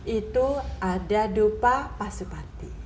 itu ada dupa pasupati